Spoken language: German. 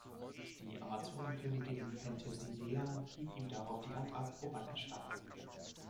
Die Amazonenkönigin Penthesilea hieb ihm darauf die Hand ab, woran er starb.